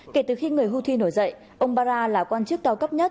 kể từ khi người houthi nổi dậy ông bara là quan chức cao cấp nhất